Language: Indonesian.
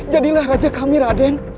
jadilah raja kami raden